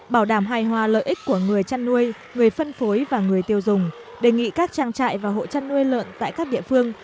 bảo đảm hài hòa lợi ích của người chăn nuôi người phân phối và người tiêu dùng đề nghị các trang trại và hộ chăn nuôi lợn tại các địa phương